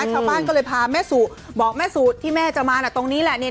ชาวบ้านก็เลยพาแม่สู่บอกแม่สูตรที่แม่จะมาน่ะตรงนี้แหละเนี่ย